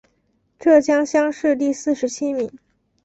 浙江乡试第四十七名。